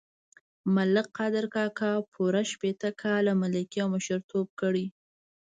ملک قادر کاکا پوره شپېته کاله ملکي او مشرتوب کړی.